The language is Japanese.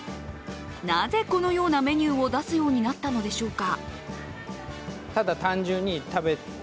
なぜ、このようなメニューを出すようになったのでしょうか。